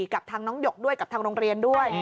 กับทางน้องหยกด้วยกับทางโรงเรียนด้วย